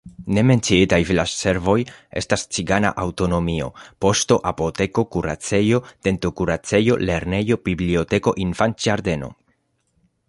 Ne menciitaj vilaĝservoj estas cigana aŭtonomio, poŝto, apoteko, kuracejo, dentokuracejo, lernejo, biblioteko, infanĝardeno.